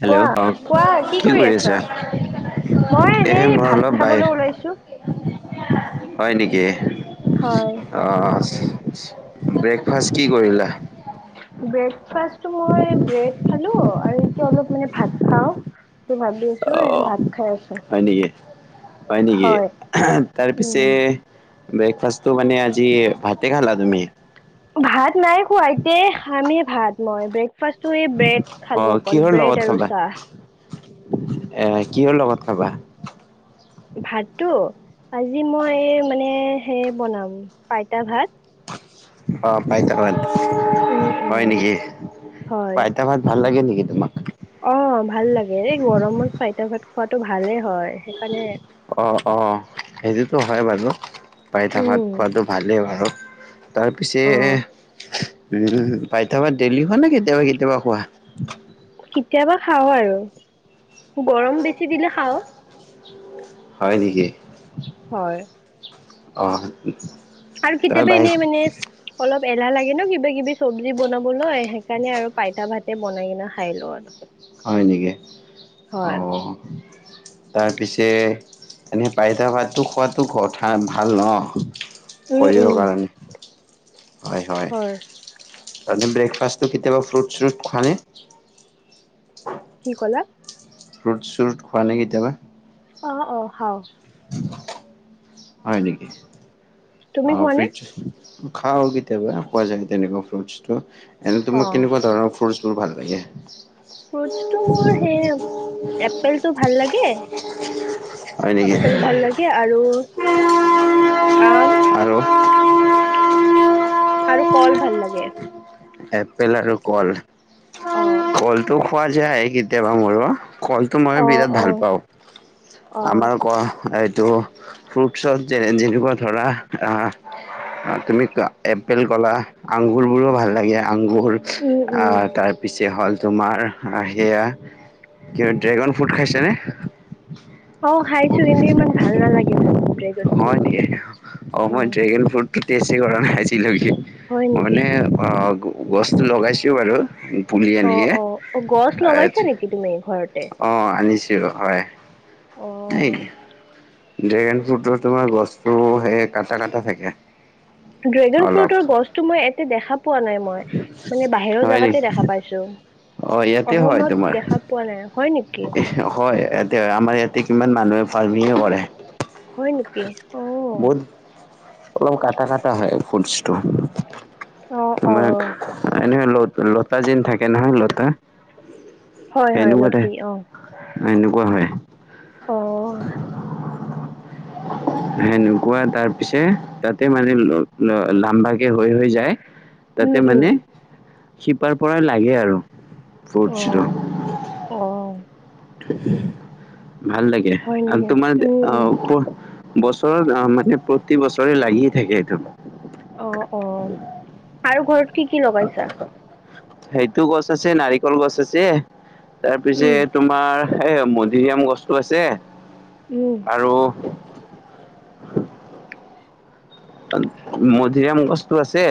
Hello কোৱা, অ কোৱা, কি কৰি আছাঁ? মই এ এনেই মই ভাত অলপ বাহিৰ খাবলৈ ওলাইছোঁ। হয় নেকি। হয়। অ', ব্ৰেকফাষ্ট কি কৰিলা? ব্ৰেকফাষ্টটো মই ব্ৰেড খালোঁ, আৰু এতিয়া অলপ মানে ভাত খাওঁ। তো ভাবি আছোঁ, অ এই ভাত খাই আছোঁ। হয় নিকি। হয় নেকি? উম তাৰপিছে ব্ৰেকফাষ্টটো মানে আজি ভাতে খালা তুমি? ভাত নাই খোৱা। এতিয়ে খামহে ভাত মই। ব্ৰেকফাষ্ট টো এই ব্ৰেড অ খালোঁ অকল। কিহৰ লগত ব্ৰেড আৰু খাবা চাঁহ। এ, কিহৰ লগত খাবা? ভাতটো? আজি মই মানে হে বনাম, পাইতা ভাত। অ', পাইতা ভাত, উম উম হয় নেকি? হয়। পাইতা ভাত ভাল লাগে নিকি তোমাক? অ', ভাল লাগে। এনেই গৰমত পাইতা ভাত খোৱাটো ভালে হয়। সেইকাৰণে অ', অ', সেইটোতো হয় বাৰু। পাইতা ভাত উম খোৱাটো ভালেই বাৰু। তাৰ পিছে, অ উম', পাইতা ভাত ডেইলি খোৱা নে কেতিয়াবা কেতিয়াবা খোৱা? কেতিয়াবা খাওঁ আৰু! গৰম বেছি দিলে খাওঁ। হয় নেকি? হয়। অ'। আৰু তাৰ কেতিয়াবা বাহি এনেই মানে, অলপ এলাহ লাগে ন কিবা কিবি চব্‌জি বনাবলৈ। সেইকাৰণে আৰু পাইতা ভাতে বনাই কিনে খাই লওঁ আৰু। হয় নেকি! হয় অ'। তাৰপিছে এনেই পাইতা ভাতটো খোৱাটো-ঘ-ঠা ভাল ন? উম উম শৰীৰৰ কাৰনে হয়, হয়। এনে ব্ৰেকফাষ্টটো কেতিয়াবা ফ্ৰুট চ্ৰুট খোৱানে? [unintelligible] কি ক'লা? ফ্ৰুট চ্ৰুট খোৱানে কেতিয়াবা? অ', অ', খাওঁ। হয় নেকি? তুমি অ', খোৱানে ফ্ৰিটছ খাওঁ কেতিয়াবা খোৱা যায় তেনেকুৱা ফ্ৰুটছটো। এনে অ তোমাক কেনেকুৱা ধৰণৰ ফ্ৰুটছবোৰ ভাল লাগে? ফ্ৰুটটো মোৰ সেই এপেলটো ভাল লাগে। হয় নকি। হে আৰু, আম। আৰু? আৰু কল ভাল লাগে। এপেল আৰু কল, অ কলটো খোৱা যায় কেতিয়াবা মোৰো। কলটো মই অ বিৰাট অ ভাল পাওঁ অ আমাৰ ক এইটো ফ্ৰুটছত যে যেনেকুৱা ধৰা আহ অ' তুমি এপেল কলা আংগুৰ বোৰো ভাল লাগে আগুৰ উম আ উম তাৰপিছত এতি হ'ল তোমাৰ আ হেয়া ক ড্ৰেগন ফ্ৰুট খাইছে নে? অ' খাইছো কিন্তু ইমান ভাল নালাগে মোক। ড্ৰেগন অ' হয় ফ্ৰুটটো। নেকি অ মই উম। ড্ৰেগন ফ্ৰুটটো টেষ্টে কৰা নাই আজি লৈকে। হয় মই নেকি? মানে অ গ-গছটো লগাইছো বাৰু। পুলি অ', আনিকে। অ', অ' গছ লগাইছা নেকি তুমি ঘৰতে? অ' আনিছোঁ হয়, এই ড্ৰেগন ফ্ৰুটৰ তোমাৰ গছটো সেই কাটা কাটা থাকে। ড্ৰেগন অলপ ফ্ৰুটৰ গছতো মই এতে দেখা পোৱা নাই মই মানে বাহিৰৰ হয় জেগাতে নেকি দেখা পাইছোঁ। অ ইয়াতে হয় অসমত তোমাৰ দেখা পোৱা নাই, হয় নেকি? হয় ইয়াতে আমাৰ ইয়াতে কিমান মানুহে ফাৰ্মিঙে কৰে। হয় নেকি অ'। বহুত অলপ কটা কটা হয় ফুলচডটো। অ অ তোমাক এনে ল-লতা যেন থাকে নহয় লতা। হয় হয় হেনেকুৱা লতি টাইপ। অ এনেকুৱা হয়। অ [inaudible] সেনেকোৱা তাৰ পিছে তাতে মানে ল-ল-লাম্বাকে হৈ হৈ যায়। উম তাতে উম মানে শিপাৰ পৰাই লাগে আৰু অ ফ্ৰুটচটো। অ'। ভাল লাগে হয় আৰু নেকি? তোমাৰ উম উম আহ ঔষুধ বছৰত মানে প্ৰতি বছৰে লাগিয়ে থাকে এইটো। অ', অ', আৰু ঘৰত কি কি লগাইছা? সেইটো গছ আছে নাৰিকল গছ আছে তাৰ পিছে উম তোমাৰ এ মধুৰিআম গছতটো আছে। উম। আৰু মধুৰিআম গছটো আছে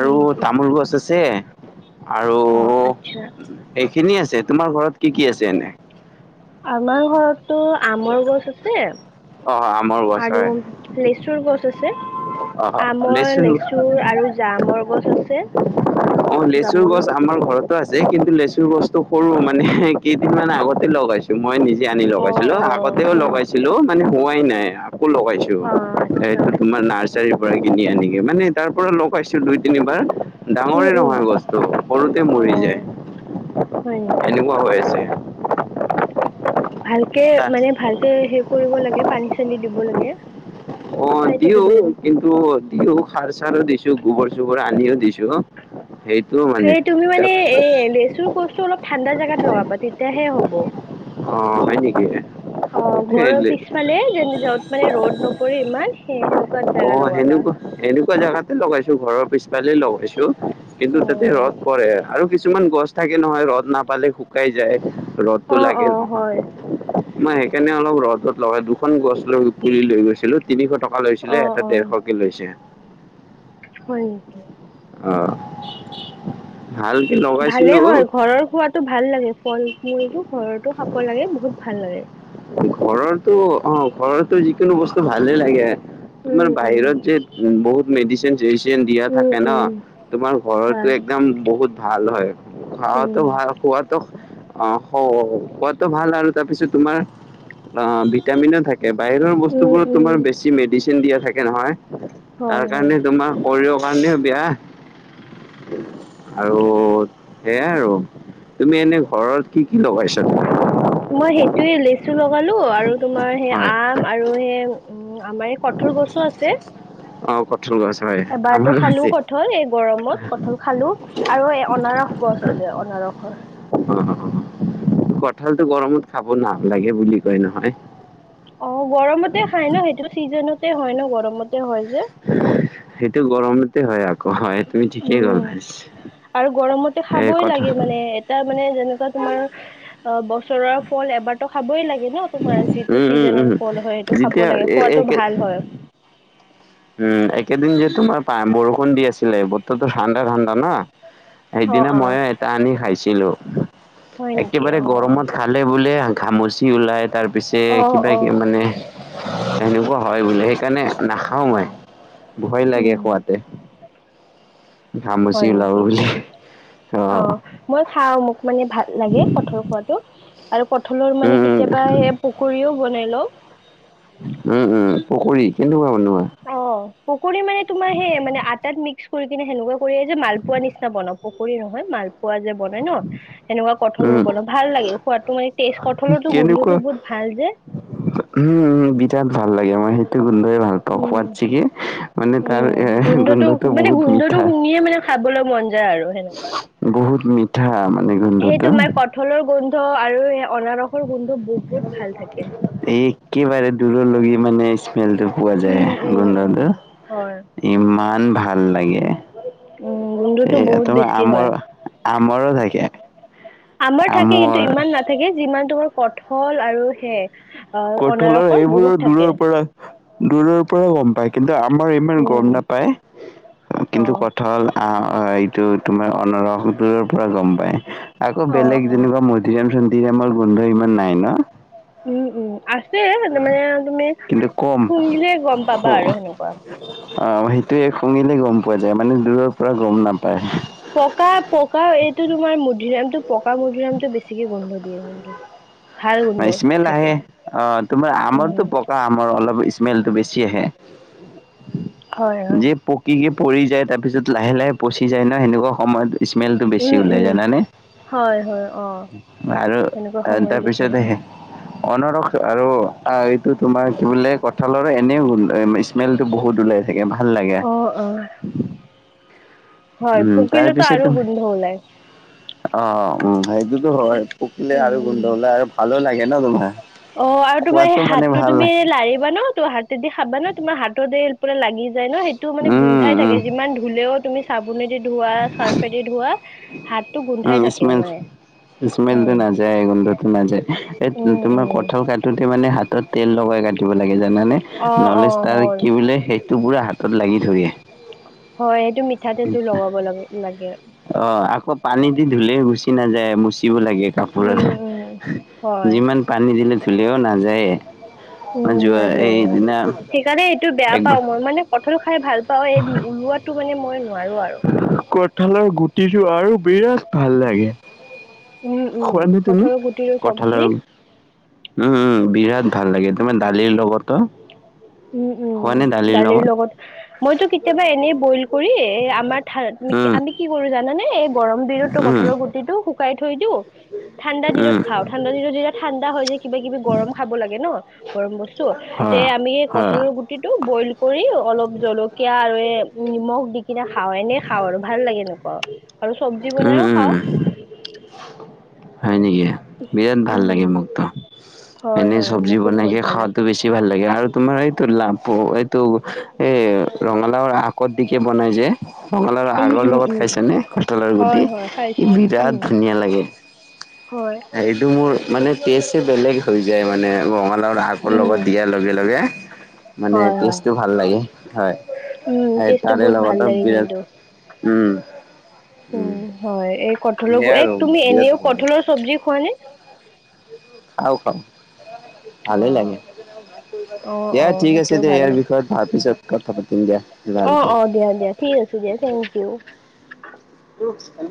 হয় নেকি তামোল গছ আছে। আৰু অ আচ্ছা এইখিনি আছে, তোমাৰ ঘৰত কি কি আছে এনে? আমাৰ ঘৰতটো আমৰ গছ আছে অ আমৰ গছ আৰু হয় লেচুৰ গছ আছে। অ আমৰ লেচু লেচুৰ আৰু জামৰ গছ আছে। অ' লেচুৰ গছ জামুনৰ আমাৰ ঘৰত আছে কিন্তু লেচুৰ গছটো সৰু মানে কেইদিন মান আগতে লগাইছো। মই নিজে আনি অ লগাইছিলো অ আগতেও হয় নেকি? লগাইছিলো মানে হোৱাই নাই আকৌ লগাইছো। অ আচ্ছা সেইটো তোমাৰ নাৰ্চাৰীৰ পৰা কিনি আনি গে মানে তাৰ পৰা লগাইছো দুই তিনিবাৰ উম ডাঙৰে উম নহয় গছটো সৰুতে অ মৰি যায় হয় নেকি এনেকুৱা হৈ আছে ভালকে তাত মানে ভালকে হে কৰিব লাগে পানী চানী দিব লাগে অ চাই দিও থাকিব লাগে কিন্ত দিও সাৰ চাৰো দিছো গোবৰ চোবৰ আনিও দিছো সেইটো মানে এই তুমি মানে তাক এ লেচুৰ গছটো অলপ ঠাণ্ডা জেগাত লগাবা তেতিয়াহে হ'ব অ হয় নেকি? অ ঘৰৰ পিছফালে যেন য'ত মানে ৰ'দ নপৰে ইমান সেই সেনেকুৱা অ জেগা লগাবা সেনেকুৱা সেনেকুৱা জাগাতে লগাইছো ঘৰৰ পিছফালে লগাইছো। কিন্তু তাতে ৰ'দ অ' পৰে আৰু কিছুমান গছ থাকে নহয় ৰ'দ নাপালে শুকাই যায়। ৰ'দটো অ' লাগে অ' নহয়। হয় মই সেইকাৰণে অলপ ৰদত লগাই দুখন গছ লৈ পুলি লৈ গৈছিলো তিনিশ টকা লৈ আছিলে অ' এটা অ' ডেৰশকে লৈছে। হয় নেকি? অ ভাল কে ভালেই লগাইছিলোঁ। হয় ঘৰৰ সোৱাদ টো ভাল লাগে ফল মূলটো ঘৰতো খাব লাগে বহুত ভাল লাগে ঘৰৰো অ ঘৰৰতো যিকোনো বস্তু ভালে লাগে তোমাৰ উম উম বাহিৰত যে বহুত মেডিচেন মেদিচেন দিয়া উম থাকে ন উম তোমাৰ ঘৰটো হয় একদম বহুত ভাল হয়। উম খোৱাতো ভাল খোৱাতটো অ খোৱাতটো ভাল আৰু তাৰপিছত তোমাৰ অ ভিটামিনো থাকে বাহিৰৰ উম বস্তুবোৰত উম তোমাৰ বেছি মেডিচিন দিয়া থাকে নহয় হয় তাৰ হয় কাৰণে তোমাৰ শৰীৰ কাৰণে বেয়া আৰু সেইয়াই আৰু তুমি এনে ঘৰত কি কি লগাইছা? মই সেইটোয়ে লেচু লগালো আৰু তোমাৰ সেই হয় আম আৰু সেই উম আমাৰ এই কঠাল গছো আছে। কঠাল গছ হয় আমাৰ আছে কঠাল এই গৰমত কঠাল খালোঁ আৰু এই অনাৰস গছ আছে অনাৰসৰ অ হহ কঠালতটো গৰমত খাব নাল লাগে বুলি কয় নহয়, অ গৰমতে খাই ন সেইটো চিজনতে হয় ন গৰমতে হয় যে সেইটো গৰমতে হয় আকৌ হয় তুমি ঠিকেই গল উম এই কথা তাৰ মানে যেনেকুৱা তোমাৰ অ বছৰৰ ফল এবাৰ টো খাবই লাগে ন তোমাৰ যিটো উম উম উম চিজনৰ ফল হয় সেইটো খাব যেতিয়া লাগে এ খোৱাতটো একে ভাল হয় উম একেদিন যে তোমাৰ বৰষুণ দি আছিলে বতৰটো ঠাণ্ডা ঠাণ্ডা ন অ সেইদিনা অ ময়ো এটা আনি খাইছিলো হয় নেকি একেবাৰে অ গৰমত খালে বোলে ঘামচি ওলায় তাৰপিছে অ অ কিবা অ কিবি মানে সেনেকুৱা হয় বোলে সেইকাৰণে নাখাও মই ভয় লাগে উম খোৱাতে ঘামুচি হয় ওলাব নেকি বুলি অ মই খাওঁ মোক মানে ভাল লাগে কঠাল খোৱাতটো আৰু কঠালৰ মানে উম উম কেতিয়াবা এই পোকৰীও বনাই লও উম উম পকৰী কেনেকুৱা বনোৱা? অ', পকৰী মানে তোমাৰ সেই মানে আটাত মিক্স কৰি কিনে সেনেকুৱা কৰি যে মালপোৱাৰ নিচিনা বনাওঁ। পকৰি নহয় মালপোৱা যে বনাই ন। সেনেকুৱা কঁঠলৰ উম, বৰ ভাল লাগে সোৱাদাটো মানে কঁঠলটো গোন্ধটো বহুত ভাল যে। উম, উম, বিৰাট ভাল লাগে আমাৰ সেইটো গোন্ধয়ে ভাল। উম সোৱাদ চিগে মানে তাৰ উম এ গোন্ধটো মানে বহুত গোন্ধটো মিঠা। শুঙিয়ে মানে খাবলৈ মন যায় আৰু সেনেকুৱা। বহুত মিঠা মানে সেই গোন্ধটো তোমাৰ কঁঠলৰ গোন্ধ আৰু সেই অনাৰসৰ গোন্ধ বহুত ভাল থাকে। একেবাৰে দূৰৰ লৈয়ে মানে স্মেলটো পোৱা উম যায় উম উম গোন্ধটো হয় ইমান ভাল লাগে। উম গোন্ধটো এয়া বহুত তোমাৰ বেছি হয় আমৰ আমৰো থাকে। আমৰ থাকে কিন্তু ইমান নাথাকে যিমান তোমাৰ কঁঠল আৰু সে। অ কঁঠলৰ অনাৰসৰ বহুত সেইবোৰৰ থাকে দূৰৰ পৰা দূৰৰ পৰা গম পায় কিন্তু আমৰ ইমান উম গম উম নাপায়। অ কিন্তু ক কঁঠল আহ এইটো তোমাৰ অনৰসটোৰ পৰা গম পাই। আকৌ অ বেলেগ অ যেনেকুৱা মধুৰি আম চধুৰি আমৰ গোন্ধ ইমান নাই ন? উম, উম, আছে তাৰ মানে তুমি কিন্তু সুহি দিলে গম পাবা আৰু সেনেকুৱা। অ', সেইটোয়ে সুঙিলে গম পোৱা যায় মানে দূৰৰ পৰা গম নাপায়। পকা পকা এইটো তোমাৰ মধুৰি আমটো পকা মধুৰি আমটো বেছিকে গোন্ধ দিয়ে কিন্তু। ভাল গোন্ধ স্মেল থাকে আহে অ' তোমাৰ উম আমৰটো পকা আমৰ অলপ স্মেলটো বেছি আহে। হয় হয় যি পক কি কে পৰি যায় তাৰপিছত লাহে লাহে পচি যায় ন' সেনেকুৱা সময়ত স্মেলটো উম বেছি ওলাই উম জানানে। হয়, হয় অ' আৰু সেনেকুৱা আহ, সময়ত বেছি হয়। তাৰপিছত অনৰস আৰু এইটো তোমাৰ কি বোলে কঁঠালৰ এনেইও স্মেলটো বহুত ওলাই। তাকে ভাল লাগে। অ অ হয় উম, তাৰ পকিলেতো পিছত আৰু তুমি গোন্ধ ওলাই অ', উম সেইটোতো হয় পকিলে আৰু গোন্ধ উম ওলাই আৰু ভাল লাগে ন তোমাৰ। অ', আৰু তোমাৰ খোৱাতো মানে হাতটো ভাল তুমি লাগে লাৰিবা ন ত' হাতেদি খাবা ন' তোমাৰ হাততে বোলে লাগি যায় ন' সেইটো মানে উম গোন্ধাই উম থাকে যিমান ধুলেও তুমি চাবোনেদি ধোৱা চাৰ্ফেদি ধোৱা হাতটো উম গোন্ধাই থাকে স্মেল মানে। স্মেলটো উম নাযায় গোন্ধটো নাযায়। উম তোমাৰ উম কঁঠাল কাটোতে মানে হাতত তেল লগাই কাটিব লাগে জানানে অ অ নহ'লে তাৰ হ'ল কি বোলে টো পুৰা হাতত লাগি ধৰি আহে। হয়, সেইটো মিঠা তেলটো লগাব লগে লাগে। অ', আকৌ পানী দি ধুলেও গুচি নাযায় মুচিব লাগে। কাপোৰত উম উম হয় যিমান পানী দিলে ধুলেও নাযায়ে। মই উম, যোৱা নাযায় উম এইদিনা সেইকাৰণে এইটো বেয়া একবাৰ পাওঁ। মই মানে কঁঠল খাই ভাল পাওঁ এই ওলোৱাটো মানে মই নোৱাৰো আৰু। কঠালৰ গুটিটো আৰু বিৰাট ভাল লাগে। উম উম খোৱানে তুমি কঠলৰ গুটিৰো চব্জি কঁঠালৰ উম, উম, বিৰাট ভাল লাগে তোমাৰ দালিৰ লগতো। উম, উম। দালিৰ লগত মইতো কেতিয়াবা এনেই বইল কৰি এ আমাৰ থা উম আমি কি কৰো জানানে এই গৰম দিনতো উম কঁঠলৰ গুটিটো শুকাই থৈ দিও ঠাণ্ডা দিনত উম খাওঁ। ঠাণ্ডা দিনত যেতিয়া ঠাণ্ডা হয় যে কিবা কিবি গৰম খাব লাগে ন' গৰম বস্তু তে হয় আমি হয় কঁঠাল গুটিটো বইল কৰি অলপ জলকীয়া আৰু এ নিমখ দি কিনে খাওঁ এনেই খাওঁ আৰু ভাল লাগে এনেকুৱা আৰু চব্জি উম বনাইও উম খাওঁ। হয় নেকি। বিৰাট ভাল উম লাগে মোকতো হয় এনেই হয় চব্জি মোকো বনাই বহুত ভাল লাগে খোৱাতো বে ছি ভাল লাগে আৰু তোমাৰ এইটো লাপু এইটো এ ৰঙালাওৰ আকত দিকে বনাই যে। ৰঙালাও উম আগৰ উম লগত উম খাইছা নে কঁঠালৰ গুটি হয় হয় খাইছো বিৰাট উম ধুনীয়া লাগে। হয়। সেইটো মোৰ মানে টেষ্টে বেলেগ হৈ যায় মানে ৰঙালাও আগ ৰ উম লগত দিয়াৰ লগে লগে। মানে হয় হয় তেষ্টটো ভাল লাগে হয় উম টেষ্টটো তাৰে বহুত ভাল লগতো লাগে বিৰাট কিন্তু উম, উম। হয়, এই কঁঠালৰ সেয়াই এ আৰু তুমি বিৰাট এনেও ভাল লাগে কঁঠালৰ চব্জি খোৱা নে? খাওঁ খাওঁ, অ ভালেই লাগে। অ দিয়া অ ঠিক আছে সেইটোও দে ভাল ইয়াৰ লাগে বিষয়ত ভাৰ পিছত কথা পাতিম দিয়া অ অ ভালকে। দিয়া দিয়া ঠিক আছে দিয়া থেংক ইউ। [unintelligible]